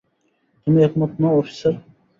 তুমি একমত নও, অফিসার?